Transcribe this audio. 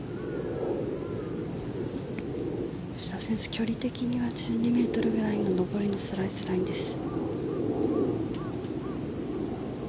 距離的には１２ｍくらいの上りのスライスラインです。